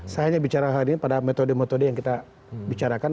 saya hanya bicara hari ini pada metode metode yang kita bicarakan